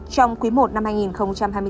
trong quý i năm hai nghìn hai mươi bốn